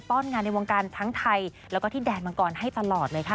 ้อนงานในวงการทั้งไทยแล้วก็ที่แดนมังกรให้ตลอดเลยค่ะ